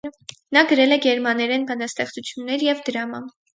Նա գրել է գերմաներեն բանաստեղծություններ և դրամա։